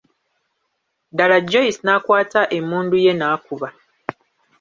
Ddaaki Joyce n'akwata emmundu ye n'akuba.